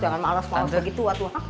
jangan males males begitu